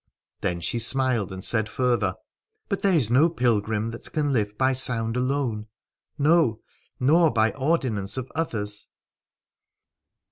Then she smiled and said' further : But there is no pilgrim that can live by sound alone, no, nor by ordinance •of others.